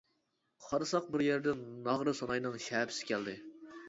قارىساق بىر يەردىن ناغرا-سۇناينىڭ شەپىسى كەلدى.